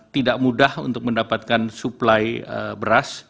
tidak mudah untuk mendapatkan suplai beras